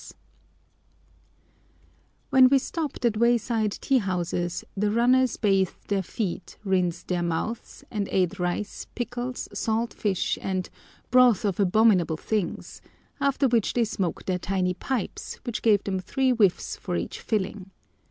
[Picture: Road Side Tea House] When we stopped at wayside tea houses the runners bathed their feet, rinsed their mouths, and ate rice, pickles, salt fish, and "broth of abominable things," after which they smoked their tiny pipes, which give them three whiffs for each filling.